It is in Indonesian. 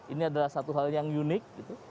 ini adalah satu hal yang unik